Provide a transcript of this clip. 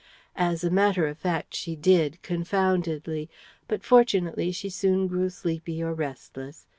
As a matter of fact she did, confoundedly. But fortunately she soon grew sleepy or restless.